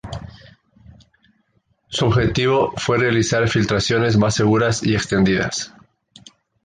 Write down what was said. Su objetivo fue realizar filtraciones más seguras y extendidas.